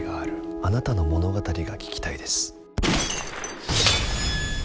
あなたの物語が聞きたいです。